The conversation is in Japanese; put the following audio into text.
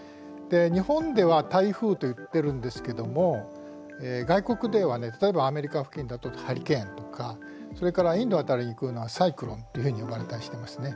日本では台風と言ってるんですけども外国では例えばアメリカ付近だとハリケーンとかそれからインド辺りに行くようなのはサイクロンっていうふうに呼ばれたりしてますね。